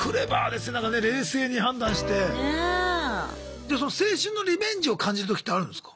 じゃあその青春のリベンジを感じる時ってあるんですか？